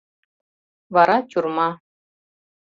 Вара тюрьма...